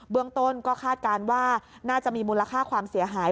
เรื่องต้นก็คาดการณ์ว่าน่าจะมีมูลค่าความเสียหาย